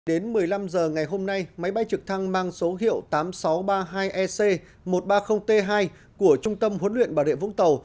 đến một mươi năm h ngày hôm nay máy bay trực thăng mang số hiệu tám nghìn sáu trăm ba mươi hai ec một trăm ba mươi t hai của trung tâm huấn luyện bà rịa vũng tàu